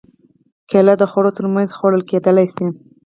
کېله د خوړو تر منځ خوړل کېدای شي.